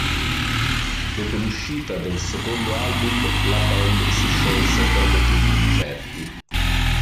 Dopo l'uscita del secondo album la band si sciolse per motivi incerti.